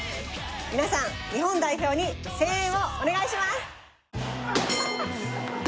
皆さん日本代表に声援をお願いします！